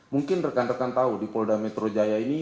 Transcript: mungkin rekan rekan tahu di polda metro jaya ini